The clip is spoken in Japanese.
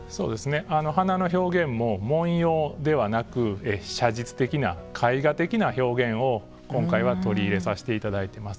花の表現も、文様ではなく写実的な絵画的な表現を今回は取り入れさせていただいています。